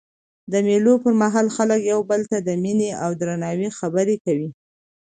د مېلو پر مهال خلک یو بل ته د میني او درناوي خبري کوي.